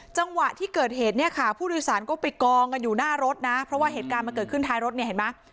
จังหวะที่เกิดเหตุเนี่ยค่ะผู้โดยสารก็ไปกองกันอยู่หน้ารถนะเพราะว่าเหตุการณ์มันเกิดขึ้นท้ายรถเนี่ยเห็นไหม